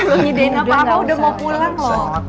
belum nyediain apa apa udah mau pulang loh